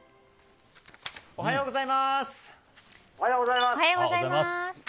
おはようございます。